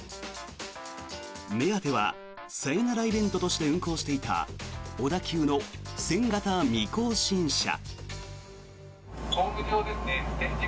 目当てはさよならイベントとして運行していた小田急の１０００形未更新車。